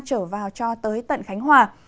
trở vào cho tới tận khánh hòa